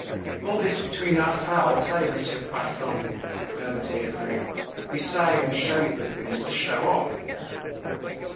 "All this between ourselves, eh, Monsieur Poisson?" murmured he at length. "We say and show you things to show off."